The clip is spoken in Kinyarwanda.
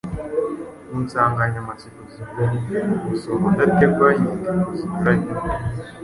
ku nsanganyamatsiko zinyuranye; gusoma udategwa inyandiko zinyuranye,